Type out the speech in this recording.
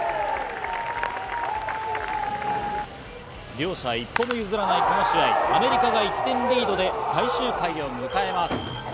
両者一歩も譲らないこの試合、アメリカが１点リードで最終回を迎えます。